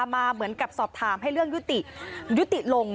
มาเหมือนกับสอบถามให้เรื่องยุติยุติลง